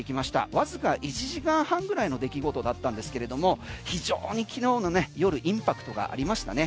わずか１時間半ぐらいの出来事だったんですけれども非常に昨日の夜インパクトがありましたね。